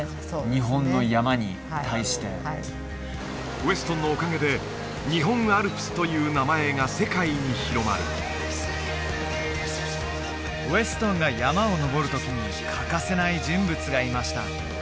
日本の山に対してはいウェストンのおかげで日本アルプスという名前が世界に広まるウェストンが山を登る時に欠かせない人物がいました